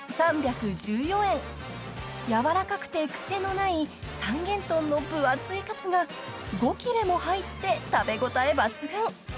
［やわらかくてクセのない三元豚の分厚いカツが５切れも入って食べ応え抜群］